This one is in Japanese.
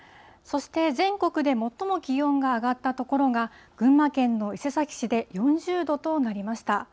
そして全国で最も気温が上がった所が、群馬県の伊勢崎市で４０度となりました。